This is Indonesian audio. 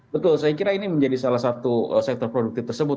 betul saya kira ini menjadi salah satu sektor produktif tersebut